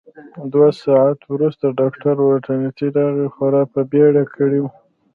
دوه ساعته وروسته ډاکټر والنتیني راغی، خورا په بېړه کې و.